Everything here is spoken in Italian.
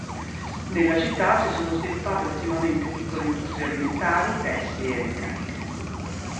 Nella città si sono sviluppate ultimamente piccole industrie alimentari, tessili e meccaniche.